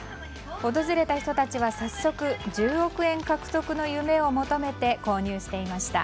訪れた人たちは早速１０億円獲得の夢を求めて購入していました。